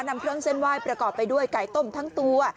นำเครื่องเส้นไหว้ประกอบไปด้วยไก่ต้มทั้งตัว